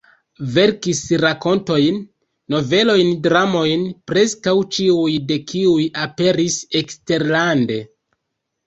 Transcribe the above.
Verkis rakontojn, novelojn, dramojn, preskaŭ ĉiuj de kiuj aperis eksterlande.